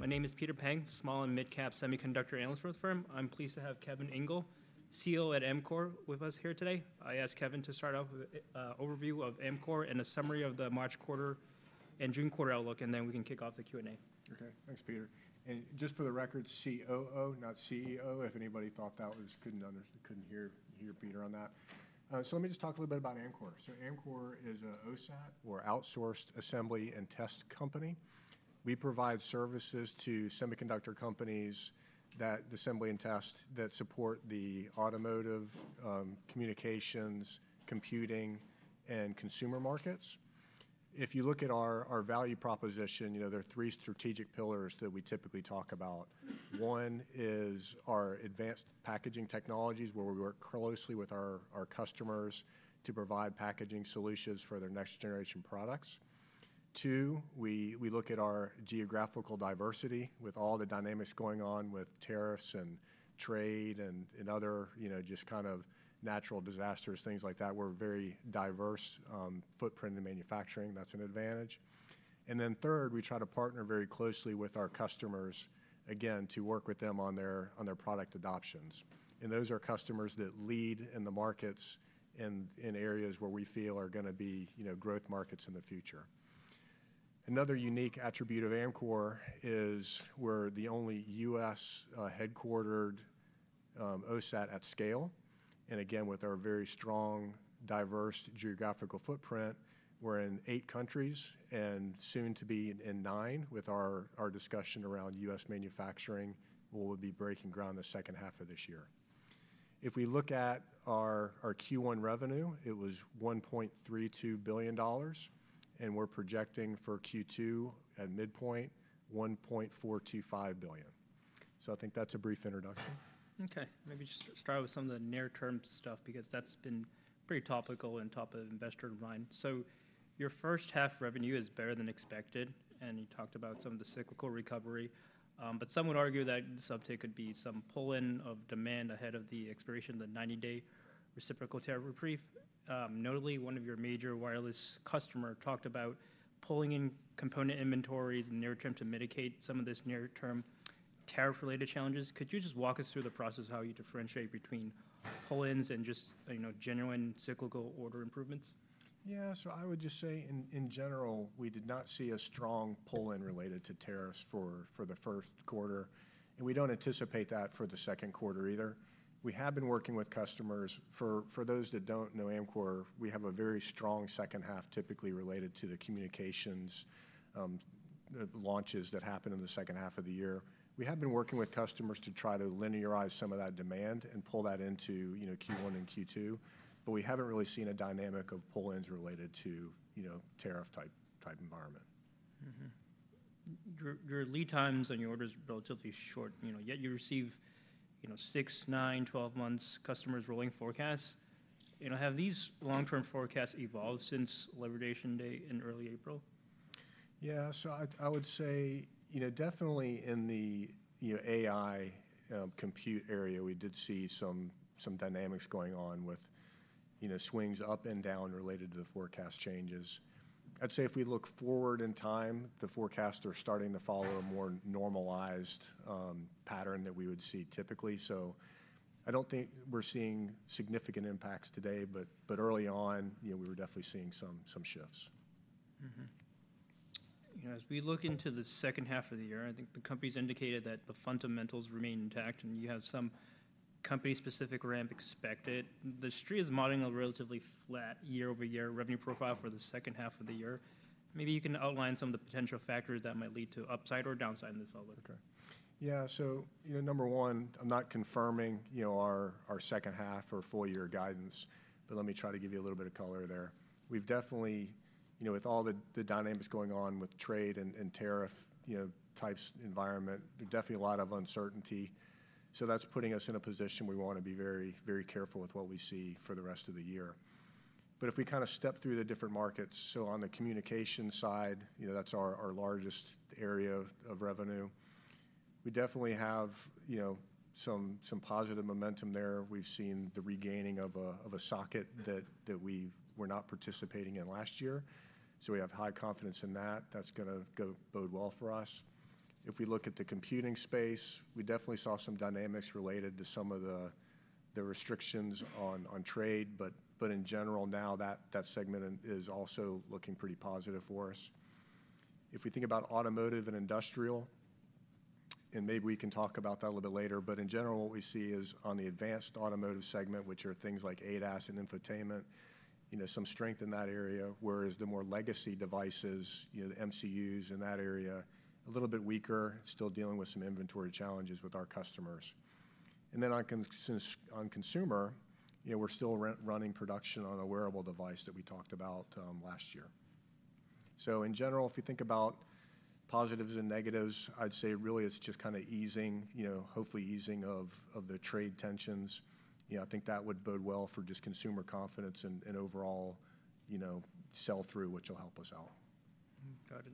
My name is Peter Peng, small and mid-cap semiconductor analyst for the firm. I'm pleased to have Kevin Engel, CEO at Amkor, with us here today. I asked Kevin to start off with an overview of Amkor and a summary of the March quarter and June quarter outlook, and then we can kick off the Q&A. Okay, thanks, Peter. And just for the record, COO, not CEO, if anybody thought that was—couldn't hear Peter on that. Let me just talk a little bit about Amkor. Amkor is an OSAT, or Outsourced Assembly and Test Company. We provide services to semiconductor companies that assemble and test that support the automotive, communications, computing, and consumer markets. If you look at our value proposition, there are three strategic pillars that we typically talk about. One is our advanced packaging technologies, where we work closely with our customers to provide packaging solutions for their next-generation products. Two, we look at our geographical diversity. With all the dynamics going on with tariffs and trade and other just kind of natural disasters, things like that, we are a very diverse footprint in manufacturing. That is an advantage. Third, we try to partner very closely with our customers, again, to work with them on their product adoptions. Those are customers that lead in the markets in areas where we feel are going to be growth markets in the future. Another unique attribute of Amkor is we're the only U.S.-headquartered OSAT at scale. Again, with our very strong, diverse geographical footprint, we're in eight countries and soon to be in nine with our discussion around U.S. manufacturing. We'll be breaking ground the second half of this year. If we look at our Q1 revenue, it was $1.32 billion, and we're projecting for Q2 at midpoint, $1.425 billion. I think that's a brief introduction. Okay, maybe just start with some of the near-term stuff because that's been pretty topical and top of investor minds. Your first half revenue is better than expected, and you talked about some of the cyclical recovery. Some would argue that the sub-take could be some pull-in of demand ahead of the expiration of the 90-day reciprocal tariff reprieve. Notably, one of your major wireless customers talked about pulling in component inventories in the near term to mitigate some of these near-term tariff-related challenges. Could you just walk us through the process of how you differentiate between pull-ins and just genuine cyclical order improvements? Yeah, so I would just say, in general, we did not see a strong pull-in related to tariffs for the first quarter. We do not anticipate that for the second quarter either. We have been working with customers. For those that do not know Amkor, we have a very strong second half typically related to the communications launches that happen in the second half of the year. We have been working with customers to try to linearize some of that demand and pull that into Q1 and Q2. We have not really seen a dynamic of pull-ins related to a tariff-type environment. Your lead times on your orders are relatively short. Yet you receive six-, nine-, twelve-month customers' rolling forecasts. Have these long-term forecasts evolved since Liberation Day in early April? Yeah, so I would say definitely in the AI compute area, we did see some dynamics going on with swings up and down related to the forecast changes. I'd say if we look forward in time, the forecasts are starting to follow a more normalized pattern that we would see typically. I don't think we're seeing significant impacts today, but early on, we were definitely seeing some shifts. As we look into the second half of the year, I think the companies indicated that the fundamentals remain intact, and you have some company-specific ramp expected. The Street is modeling a relatively flat year-over-year revenue profile for the second half of the year. Maybe you can outline some of the potential factors that might lead to upside or downside in this outlook. Okay. Yeah. So, number one, I'm not confirming our second half or full-year guidance, but let me try to give you a little bit of color there. We've definitely, with all the dynamics going on with trade and tariff-type environment, there's definitely a lot of uncertainty. That is putting us in a position we want to be very, very careful with what we see for the rest of the year. If we kind of step through the different markets, on the communication side, that's our largest area of revenue. We definitely have some positive momentum there. We've seen the regaining of a socket that we were not participating in last year. We have high confidence in that. That is going to bode well for us. If we look at the computing space, we definitely saw some dynamics related to some of the restrictions on trade. In general, now that segment is also looking pretty positive for us. If we think about automotive and industrial, and maybe we can talk about that a little bit later, but in general, what we see is on the advanced automotive segment, which are things like ADAS and infotainment, some strength in that area, whereas the more legacy devices, the MCUs in that area, a little bit weaker, still dealing with some inventory challenges with our customers. On consumer, we're still running production on a wearable device that we talked about last year. In general, if you think about positives and negatives, I'd say really it's just kind of easing, hopefully easing of the trade tensions. I think that would bode well for just consumer confidence and overall sell-through, which will help us out. Got it.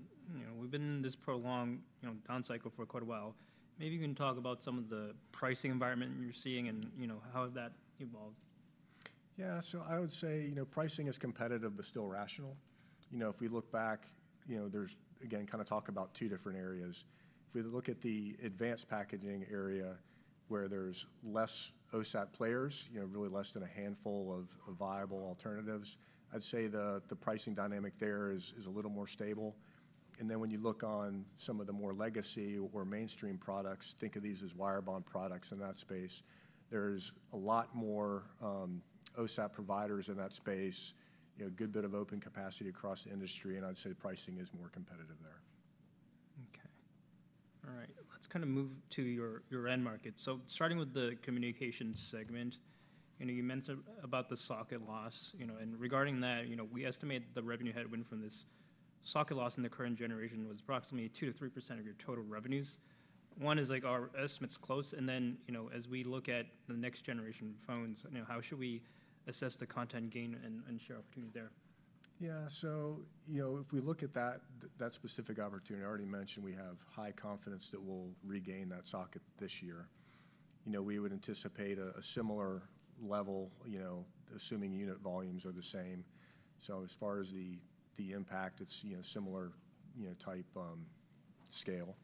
We've been in this prolonged down cycle for quite a while. Maybe you can talk about some of the pricing environment you're seeing and how that evolved. Yeah, so I would say pricing is competitive but still rational. If we look back, there's, again, kind of talk about two different areas. If we look at the advanced packaging area, where there's less OSAT players, really less than a handful of viable alternatives, I'd say the pricing dynamic there is a little more stable. If you look on some of the more legacy or mainstream products, think of these as wire bond products in that space, there's a lot more OSAT providers in that space, a good bit of open capacity across the industry, and I'd say pricing is more competitive there. Okay. All right, let's kind of move to your end markets. Starting with the communications segment, you mentioned about the socket loss. Regarding that, we estimate the revenue headwind from this socket loss in the current generation was approximately 2-3% of your total revenues. One, is our estimate close? As we look at the next generation phones, how should we assess the content gain and share opportunities there? Yeah, so if we look at that specific opportunity, I already mentioned we have high confidence that we'll regain that socket this year. We would anticipate a similar level, assuming unit volumes are the same. As far as the impact, it's similar type scale.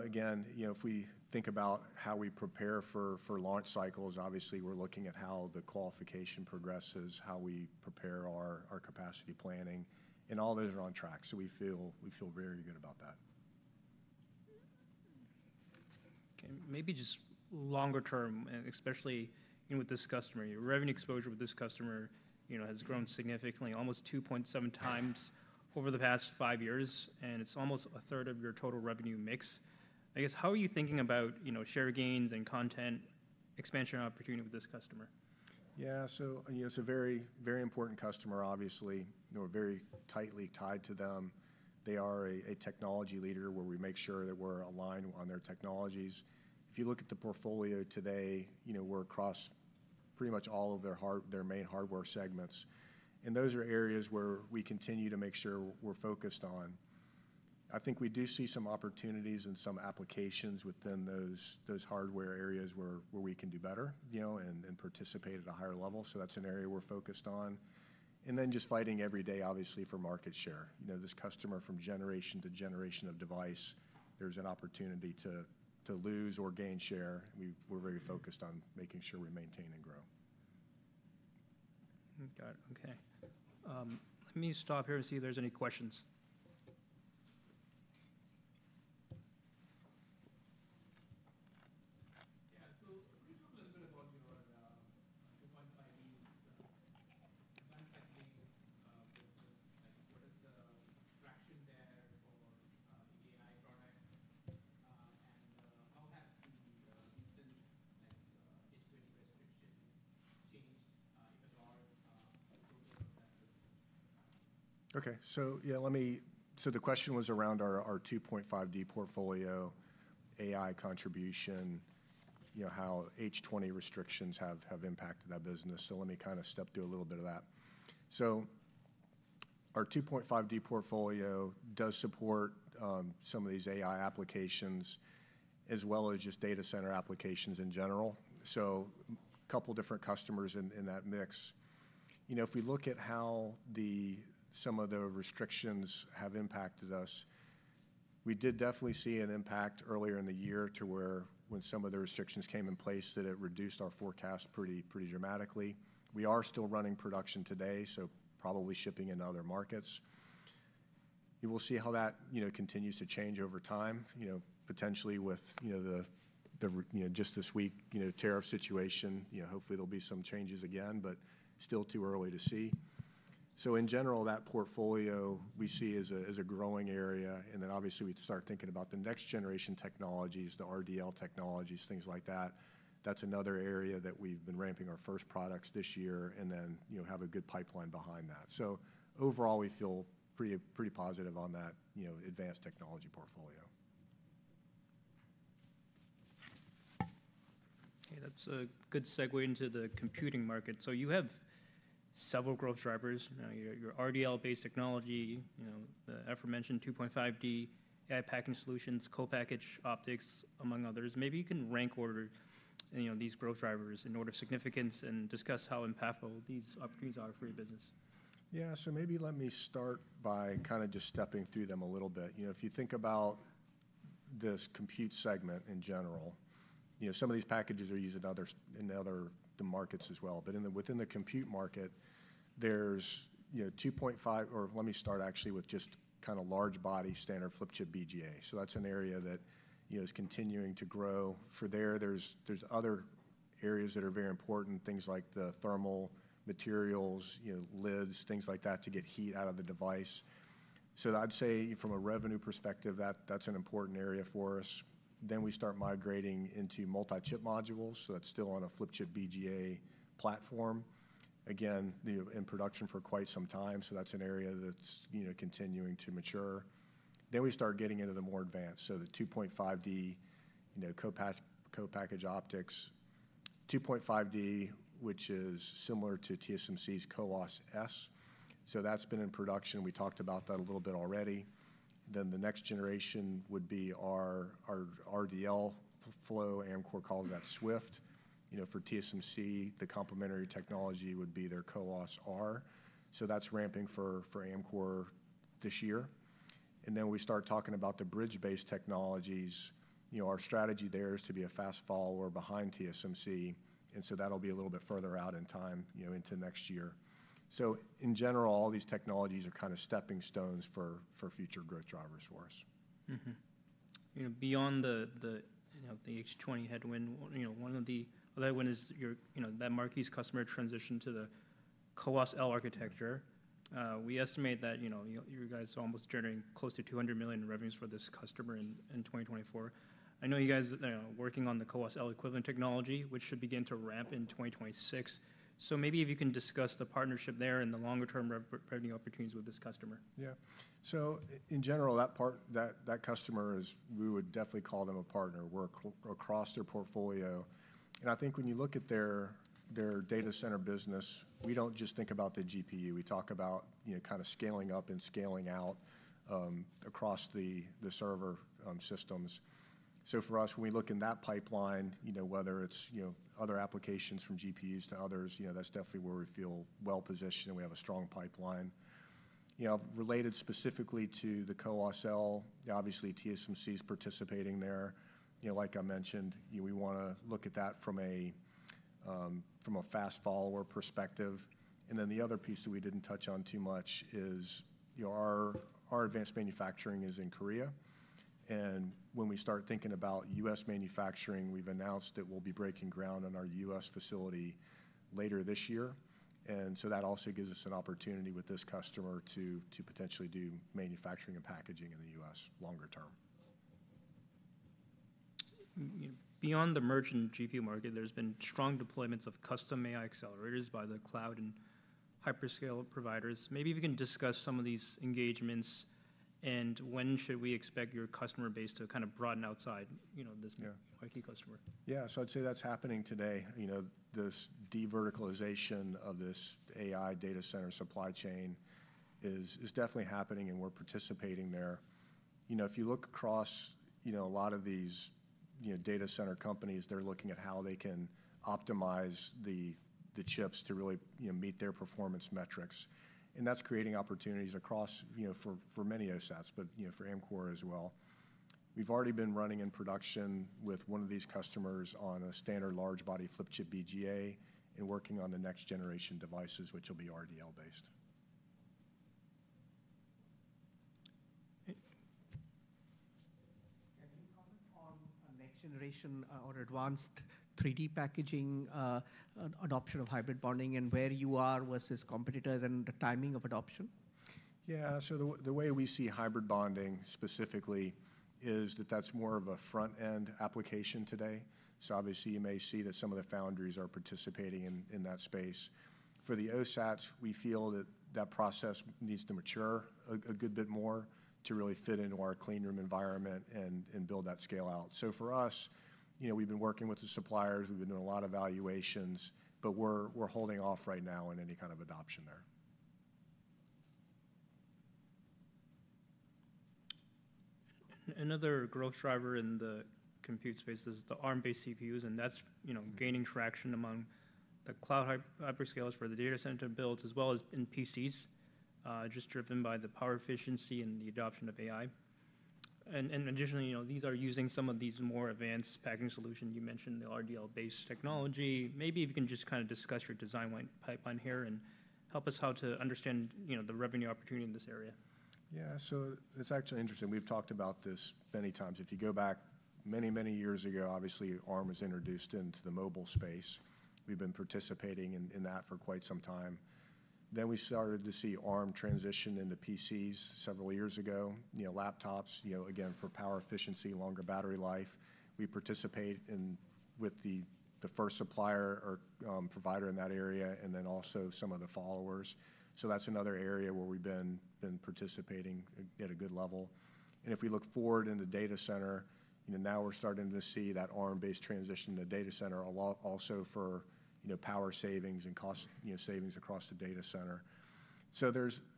Again, if we think about how we prepare for launch cycles, obviously we're looking at how the qualification progresses, how we prepare our capacity planning, and all those are on track. We feel very good about that. Okay, maybe just longer term, especially with this customer. Your revenue exposure with this customer has grown significantly, almost 2.7 times over the past five years, and it's almost a third of your total revenue mix. I guess, how are you thinking about share gains and content expansion opportunity with this customer? Yeah, so it's a very important customer, obviously. We're very tightly tied to them. They are a technology leader where we make sure that we're aligned on their technologies. If you look at the portfolio today, we're across pretty much all of their main hardware segments. Those are areas where we continue to make sure we're focused on. I think we do see some opportunities and some applications within those hardware areas where we can do better and participate at a higher level. That's an area we're focused on. Just fighting every day, obviously, for market share. This customer from generation to generation of device, there's an opportunity to lose or gain share. We're very focused on making sure we maintain and grow. Got it. Okay. Let me stop here and see if there's any questions. Yeah, so can you talk a little bit about the advanced packaging business? What is the traction there for the AI products? And how has the recent H20 restrictions changed the broader of that business? Okay, so yeah, the question was around our 2.5D portfolio, AI contribution, how H20 restrictions have impacted that business. Let me kind of step through a little bit of that. Our 2.5D portfolio does support some of these AI applications as well as just data center applications in general. A couple of different customers in that mix. If we look at how some of the restrictions have impacted us, we did definitely see an impact earlier in the year to where when some of the restrictions came in place that it reduced our forecast pretty dramatically. We are still running production today, so probably shipping in other markets. You will see how that continues to change over time, potentially with just this week's tariff situation. Hopefully, there will be some changes again, but still too early to see. In general, that portfolio we see as a growing area. Obviously we'd start thinking about the next generation technologies, the RDL technologies, things like that. That's another area that we've been ramping our first products this year and then have a good pipeline behind that. Overall, we feel pretty positive on that advanced technology portfolio. Okay, that's a good segue into the computing market. You have several growth drivers. Your RDL-based technology, the aforementioned 2.5D AI packaging solutions, co-package optics, among others. Maybe you can rank order these growth drivers in order of significance and discuss how impactful these opportunities are for your business. Yeah, so maybe let me start by kind of just stepping through them a little bit. If you think about this compute segment in general, some of these packages are used in other markets as well. Within the compute market, there is 2.5, or let me start actually with just kind of large body standard flip-chip BGA. That is an area that is continuing to grow. For there, there are other areas that are very important, things like the thermal materials, lids, things like that to get heat out of the device. I'd say from a revenue perspective, that is an important area for us. We start migrating into multi-chip modules. That is still on a flip-chip BGA platform, again, in production for quite some time. That is an area that is continuing to mature. We start getting into the more advanced. The 2.5D co-package optics, 2.5D, which is similar to TSMC's CoWoS-S. That has been in production. We talked about that a little bit already. The next generation would be our RDL flow. Amkor calls that Swift. For TSMC, the complementary technology would be their CoWoS-R. That is ramping for Amkor this year. We start talking about the bridge-based technologies. Our strategy there is to be a fast follower behind TSMC. That will be a little bit further out in time into next year. In general, all these technologies are kind of stepping stones for future growth drivers for us. Beyond the H20 headwind, one of the other ones is that marquee customer transitioned to the CoWoS-L architecture. We estimate that you guys are almost generating close to $200 million in revenues for this customer in 2024. I know you guys are working on the CoWoS-L equivalent technology, which should begin to ramp in 2026. Maybe if you can discuss the partnership there and the longer-term revenue opportunities with this customer. Yeah. So in general, that customer, we would definitely call them a partner. We're across their portfolio. I think when you look at their data center business, we don't just think about the GPU. We talk about kind of scaling up and scaling out across the server systems. For us, when we look in that pipeline, whether it's other applications from GPUs to others, that's definitely where we feel well-positioned and we have a strong pipeline. Related specifically to the CoWoS-L, obviously TSMC is participating there. Like I mentioned, we want to look at that from a fast follower perspective. The other piece that we didn't touch on too much is our advanced manufacturing is in Korea. When we start thinking about U.S. manufacturing, we've announced that we'll be breaking ground on our U.S. facility later this year. That also gives us an opportunity with this customer to potentially do manufacturing and packaging in the U.S. longer term. Beyond the merchant GPU market, there's been strong deployments of custom AI accelerators by the cloud and hyperscale providers. Maybe if you can discuss some of these engagements and when should we expect your customer base to kind of broaden outside this market customer. Yeah, so I'd say that's happening today. This de-verticalization of this AI data center supply chain is definitely happening and we're participating there. If you look across a lot of these data center companies, they're looking at how they can optimize the chips to really meet their performance metrics. That's creating opportunities across for many OSATs, but for Amkor as well. We've already been running in production with one of these customers on a standard large body flip-chip BGA and working on the next generation devices, which will be RDL-based. Any comment on next generation or advanced 3D packaging adoption of hybrid bonding and where you are versus competitors and the timing of adoption? Yeah, the way we see hybrid bonding specifically is that that's more of a front-end application today. Obviously you may see that some of the foundries are participating in that space. For the OSATs, we feel that that process needs to mature a good bit more to really fit into our clean room environment and build that scale out. For us, we've been working with the suppliers, we've been doing a lot of evaluations, but we're holding off right now on any kind of adoption there. Another growth driver in the compute space is the ARM-based CPUs, and that's gaining traction among the cloud hyperscalers for the data center builds as well as in PCs, just driven by the power efficiency and the adoption of AI. Additionally, these are using some of these more advanced packaging solutions you mentioned, the RDL-based technology. Maybe if you can just kind of discuss your design pipeline here and help us understand the revenue opportunity in this area. Yeah, so it's actually interesting. We've talked about this many times. If you go back many, many years ago, obviously ARM was introduced into the mobile space. We've been participating in that for quite some time. Then we started to see ARM transition into PCs several years ago, laptops, again, for power efficiency, longer battery life. We participate with the first supplier or provider in that area and then also some of the followers. That's another area where we've been participating at a good level. If we look forward in the data center, now we're starting to see that ARM-based transition to data center also for power savings and cost savings across the data center.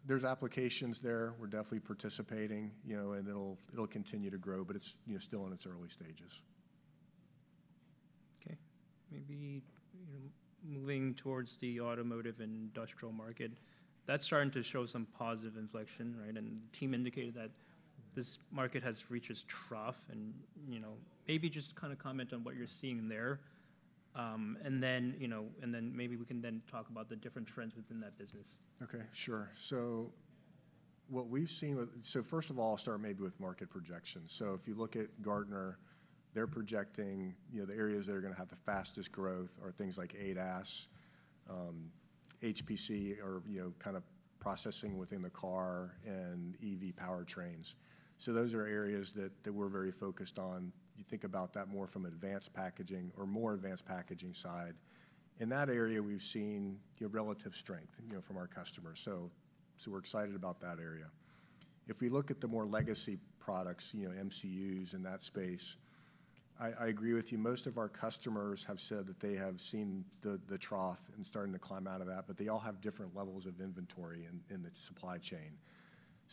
There's applications there. We're definitely participating, and it'll continue to grow, but it's still in its early stages. Okay. Maybe moving towards the automotive and industrial market, that's starting to show some positive inflection, right? The team indicated that this market has reached its trough. Maybe just kind of comment on what you're seeing there. Maybe we can then talk about the different trends within that business. Okay, sure. What we've seen, first of all, I'll start maybe with market projections. If you look at Gartner, they're projecting the areas that are going to have the fastest growth are things like ADAS, HPC, or kind of processing within the car and EV powertrains. Those are areas that we're very focused on. You think about that more from advanced packaging or more advanced packaging side. In that area, we've seen relative strength from our customers. We're excited about that area. If we look at the more legacy products, MCUs in that space, I agree with you. Most of our customers have said that they have seen the trough and are starting to climb out of that, but they all have different levels of inventory in the supply chain.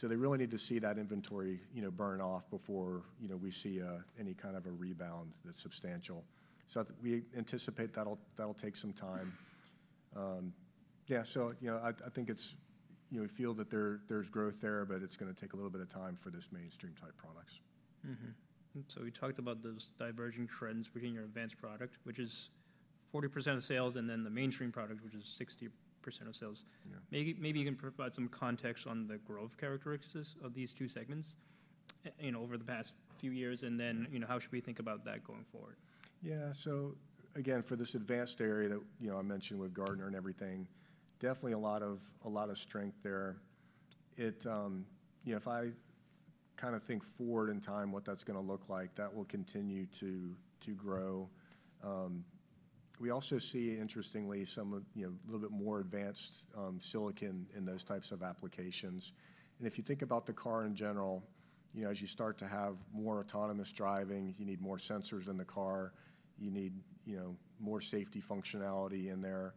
They really need to see that inventory burn off before we see any kind of a rebound that's substantial. We anticipate that'll take some time. Yeah, I think we feel that there's growth there, but it's going to take a little bit of time for this mainstream type products. We talked about those diverging trends between your advanced product, which is 40% of sales, and then the mainstream product, which is 60% of sales. Maybe you can provide some context on the growth characteristics of these two segments over the past few years, and then how should we think about that going forward? Yeah, so again, for this advanced area that I mentioned with Gartner and everything, definitely a lot of strength there. If I kind of think forward in time what that's going to look like, that will continue to grow. We also see, interestingly, a little bit more advanced silicon in those types of applications. If you think about the car in general, as you start to have more autonomous driving, you need more sensors in the car, you need more safety functionality in there.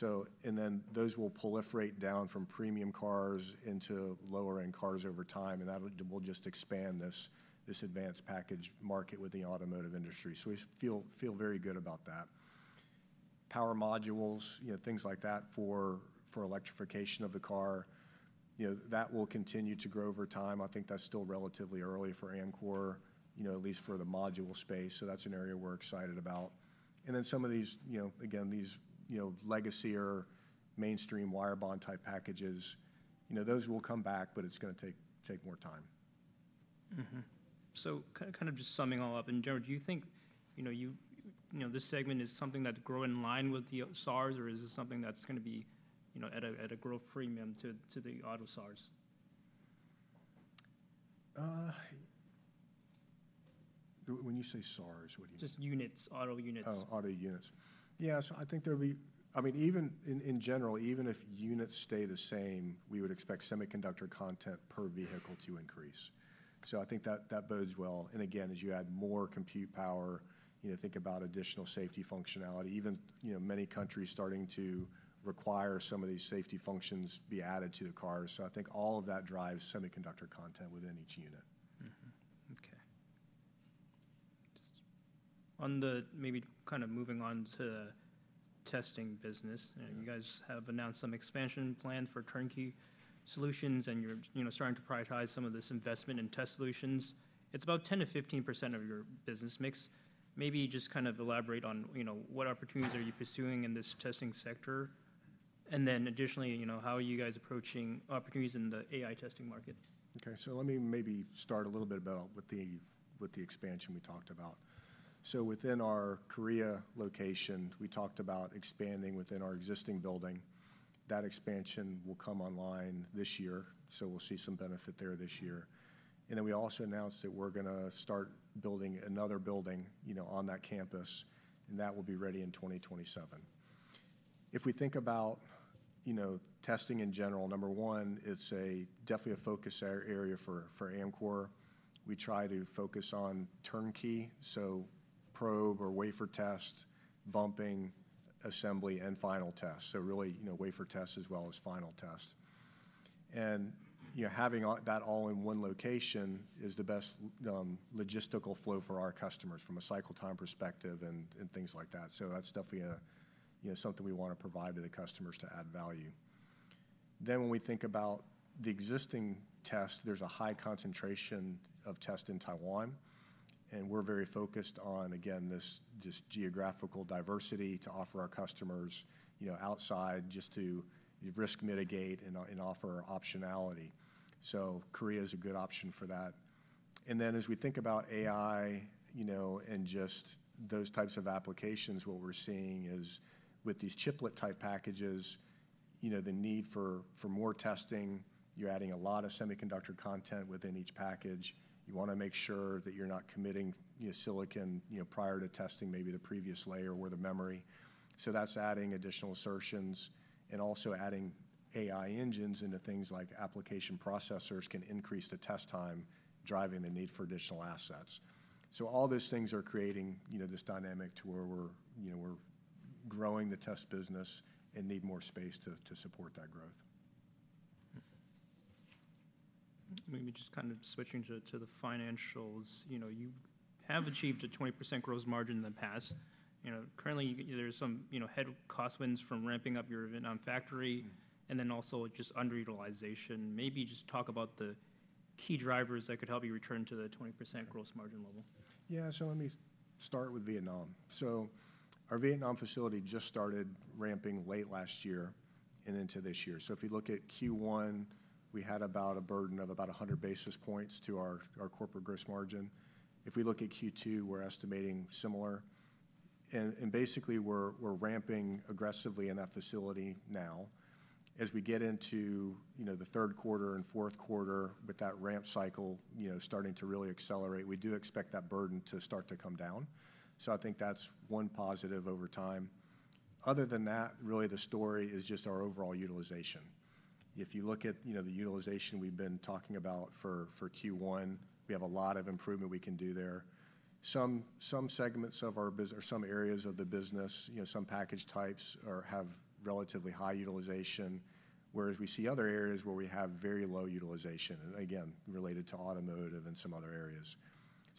Those will proliferate down from premium cars into lower-end cars over time, and that will just expand this advanced package market with the automotive industry. We feel very good about that. Power modules, things like that for electrification of the car, that will continue to grow over time. I think that's still relatively early for Amkor, at least for the module space. That's an area we're excited about. And then some of these, again, these legacy or mainstream wire bond type packages, those will come back, but it's going to take more time. Kind of just summing all up, in general, do you think this segment is something that's growing in line with the SARs, or is it something that's going to be at a growth premium to the auto SARs? When you say SARS, what do you mean? Just units, auto units. Oh, auto units. Yeah, I think there'll be, I mean, even in general, even if units stay the same, we would expect semiconductor content per vehicle to increase. I think that bodes well. Again, as you add more compute power, think about additional safety functionality, even many countries starting to require some of these safety functions be added to the cars. I think all of that drives semiconductor content within each unit. Okay. Just maybe kind of moving on to testing business. You guys have announced some expansion plans for turnkey solutions and you're starting to prioritize some of this investment in test solutions. It's about 10%-15% of your business mix. Maybe just kind of elaborate on what opportunities are you pursuing in this testing sector? Additionally, how are you guys approaching opportunities in the AI testing market? Okay, so let me maybe start a little bit about with the expansion we talked about. Within our Korea location, we talked about expanding within our existing building. That expansion will come online this year, so we'll see some benefit there this year. We also announced that we're going to start building another building on that campus, and that will be ready in 2027. If we think about testing in general, number one, it's definitely a focus area for Amkor. We try to focus on turnkey, so probe or wafer test, bumping, assembly, and final test. Really wafer test as well as final test. Having that all in one location is the best logistical flow for our customers from a cycle time perspective and things like that. That's definitely something we want to provide to the customers to add value. When we think about the existing test, there's a high concentration of test in Taiwan, and we're very focused on, again, this geographical diversity to offer our customers outside just to risk mitigate and offer optionality. Korea is a good option for that. As we think about AI and just those types of applications, what we're seeing is with these chiplet type packages, the need for more testing, you're adding a lot of semiconductor content within each package. You want to make sure that you're not committing silicon prior to testing maybe the previous layer or the memory. That's adding additional assertions and also adding AI engines into things like application processors can increase the test time, driving the need for additional assets. All those things are creating this dynamic to where we're growing the test business and need more space to support that growth. Maybe just kind of switching to the financials. You have achieved a 20% gross margin in the past. Currently, there's some head cost winds from ramping up your Vietnam factory and then also just underutilization. Maybe just talk about the key drivers that could help you return to the 20% gross margin level. Yeah, so let me start with Vietnam. Our Vietnam facility just started ramping late last year and into this year. If you look at Q1, we had about a burden of about 100 basis points to our corporate gross margin. If we look at Q2, we are estimating similar. Basically, we are ramping aggressively in that facility now. As we get into the third quarter and fourth quarter with that ramp cycle starting to really accelerate, we do expect that burden to start to come down. I think that is one positive over time. Other than that, really the story is just our overall utilization. If you look at the utilization we have been talking about for Q1, we have a lot of improvement we can do there. Some segments of our business or some areas of the business, some package types have relatively high utilization, whereas we see other areas where we have very low utilization, again, related to automotive and some other areas.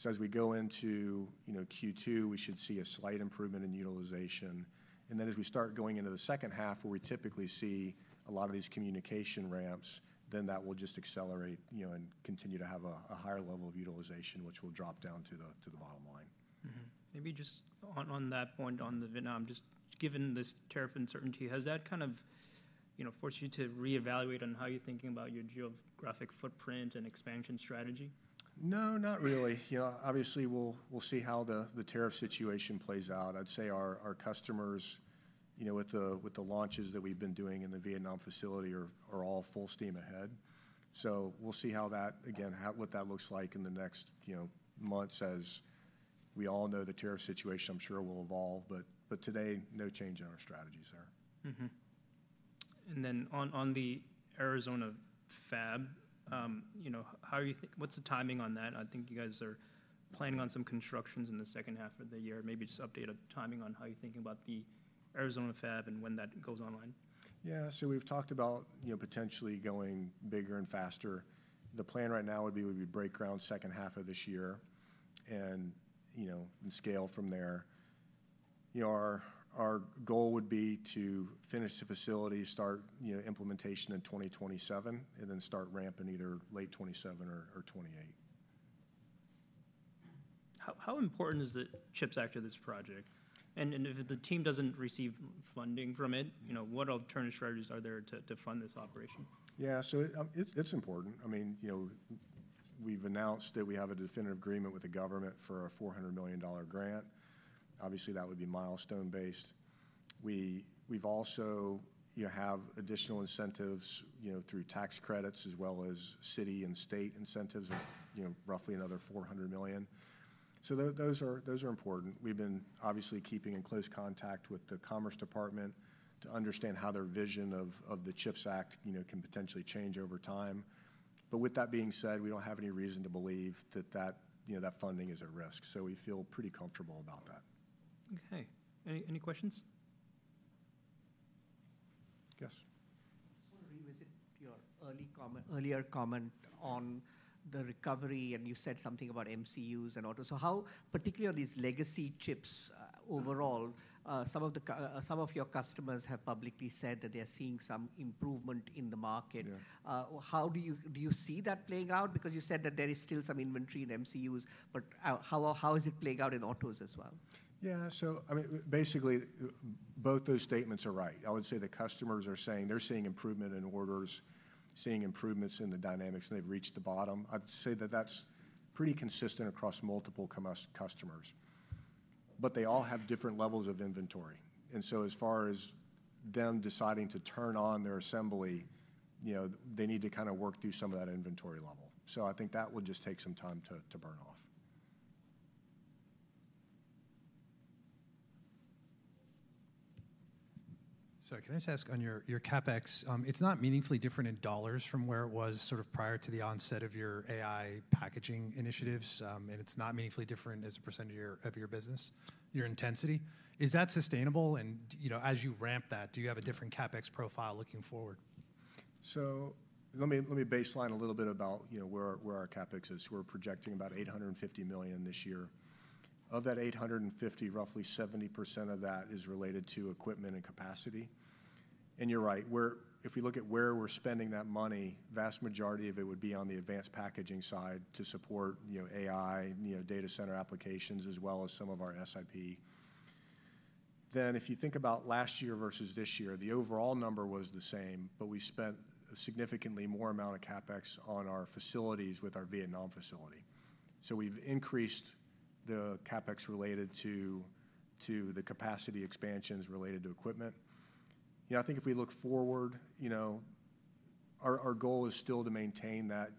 As we go into Q2, we should see a slight improvement in utilization. As we start going into the second half, where we typically see a lot of these communication ramps, that will just accelerate and continue to have a higher level of utilization, which will drop down to the bottom line. Maybe just on that point on the Vietnam, just given this tariff uncertainty, has that kind of forced you to re-evaluate on how you're thinking about your geographic footprint and expansion strategy? No, not really. Obviously, we'll see how the tariff situation plays out. I'd say our customers with the launches that we've been doing in the Vietnam facility are all full steam ahead. We'll see how that, again, what that looks like in the next months as we all know the tariff situation I'm sure will evolve, but today, no change in our strategies there. On the Arizona fab, how are you thinking? What's the timing on that? I think you guys are planning on some constructions in the second half of the year. Maybe just update a timing on how you're thinking about the Arizona fab and when that goes online. Yeah, so we've talked about potentially going bigger and faster. The plan right now would be we'd break ground second half of this year and scale from there. Our goal would be to finish the facility, start implementation in 2027, and then start ramping either late 2027 or 2028. How important is the CHIPS Act to this project? If the team doesn't receive funding from it, what alternative strategies are there to fund this operation? Yeah, so it's important. I mean, we've announced that we have a definitive agreement with the government for a $400 million grant. Obviously, that would be milestone-based. We've also had additional incentives through tax credits as well as city and state incentives of roughly another $400 million. Those are important. We've been obviously keeping in close contact with the Commerce Department to understand how their vision of the CHIPS Act can potentially change over time. With that being said, we don't have any reason to believe that that funding is at risk. We feel pretty comfortable about that. Okay. Any questions? Yes. I just want to revisit your earlier comment on the recovery, and you said something about MCUs and autos. How particular are these legacy chips overall? Some of your customers have publicly said that they're seeing some improvement in the market. How do you see that playing out? Because you said that there is still some inventory in MCUs, but how is it playing out in autos as well? Yeah, so I mean, basically, both those statements are right. I would say the customers are saying they're seeing improvement in orders, seeing improvements in the dynamics, and they've reached the bottom. I'd say that that's pretty consistent across multiple customers. They all have different levels of inventory. As far as them deciding to turn on their assembly, they need to kind of work through some of that inventory level. I think that will just take some time to burn off. Can I just ask on your CapEx? It's not meaningfully different in dollars from where it was sort of prior to the onset of your AI packaging initiatives, and it's not meaningfully different as a percentage of your business, your intensity. Is that sustainable? As you ramp that, do you have a different CapEx profile looking forward? Let me baseline a little bit about where our CapEx is. We're projecting about $850 million this year. Of that $850 million, roughly 70% of that is related to equipment and capacity. You're right, if we look at where we're spending that money, the vast majority of it would be on the advanced packaging side to support AI data center applications as well as some of our SiP. If you think about last year versus this year, the overall number was the same, but we spent a significantly more amount of CapEx on our facilities with our Vietnam facility. We've increased the CapEx related to the capacity expansions related to equipment. I think if we look forward, our goal is still to maintain that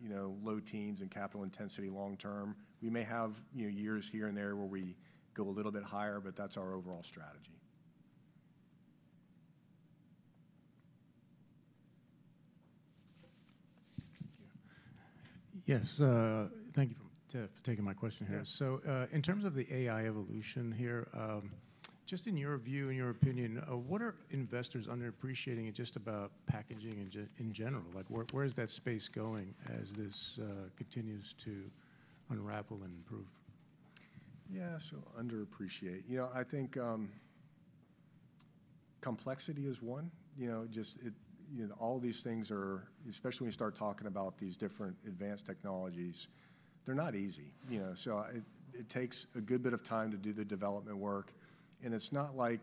low teens in capital intensity long term. We may have years here and there where we go a little bit higher, but that's our overall strategy. Thank you. Yes, thank you for taking my question here. In terms of the AI evolution here, just in your view, in your opinion, what are investors underappreciating just about packaging in general? Where is that space going as this continues to unravel and improve? Yeah, so underappreciate. I think complexity is one. Just all these things are, especially when you start talking about these different advanced technologies, they're not easy. It takes a good bit of time to do the development work. It's not like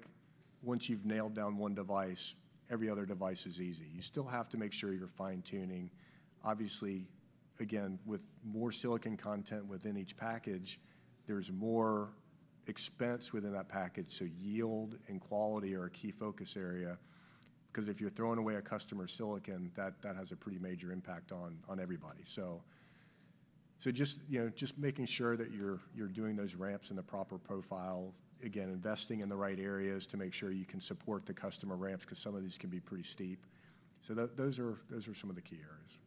once you've nailed down one device, every other device is easy. You still have to make sure you're fine-tuning. Obviously, again, with more silicon content within each package, there's more expense within that package. Yield and quality are a key focus area. Because if you're throwing away a customer's silicon, that has a pretty major impact on everybody. Just making sure that you're doing those ramps in the proper profile, again, investing in the right areas to make sure you can support the customer ramps because some of these can be pretty steep. Those are some of the key areas.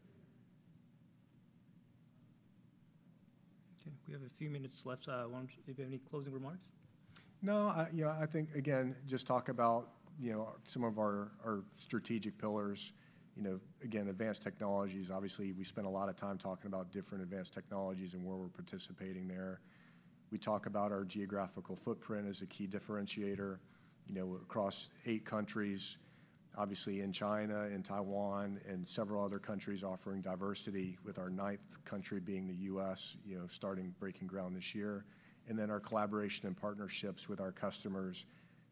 Okay. We have a few minutes left. Do you have any closing remarks? No, I think, again, just talk about some of our strategic pillars. Again, advanced technologies, obviously, we spent a lot of time talking about different advanced technologies and where we're participating there. We talk about our geographical footprint as a key differentiator across eight countries, obviously in China, in Taiwan, and several other countries offering diversity with our ninth country being the US starting breaking ground this year. Then our collaboration and partnerships with our customers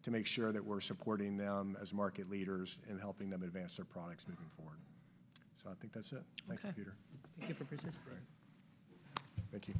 to make sure that we're supporting them as market leaders and helping them advance their products moving forward. I think that's it. Thanks, Peter. Thank you for participating. Thank you.